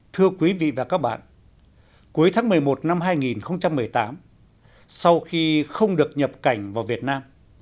thưa quý vị và các bạn cuối tháng một mươi một năm hai nghìn một mươi tám sau khi không được nhập cảnh vào việt nam